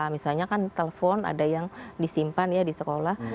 misalnya kan telpon ada yang disimpan ya di sekolah